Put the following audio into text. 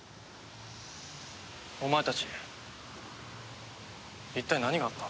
お前たち一体何があった？